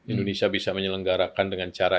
indonesia bisa menyelenggarakan dengan cara